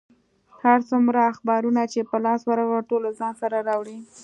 هر څومره اخبارونه چې په لاس ورغلل، ټول له ځان سره راوړي.